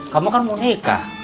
kamu kan mau nikah